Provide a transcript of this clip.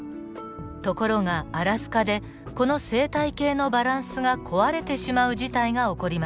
ところがアラスカでこの生態系のバランスが壊れてしまう事態が起こりました。